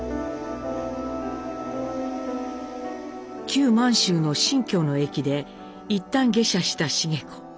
旧満州の新京の駅でいったん下車した繁子。